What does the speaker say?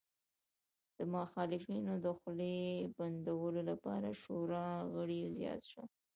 د مخالفینو د خولې بندولو لپاره شورا غړي زیات شول